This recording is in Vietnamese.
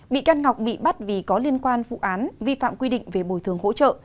bị can ngọc bị bắt vì có liên quan vụ án vi phạm quy định về bồi thường hỗ trợ